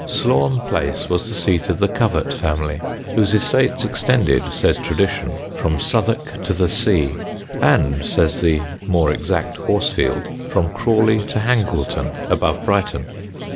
Slaugham Place was the seat of the Covert family, whose estates extended, says tradition, "from Southwark to the Sea," and, says the more exact Horsfield, from Crawley to Hangleton, above Brighton.